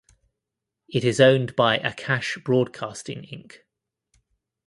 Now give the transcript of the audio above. It is owned by Akash Broadcasting Inc.